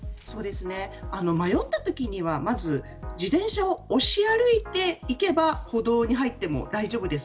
迷ったときには自転車を押し歩いていけば歩道に入っても大丈夫です。